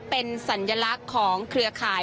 เป็นสัญลักษณ์ของเครือข่าย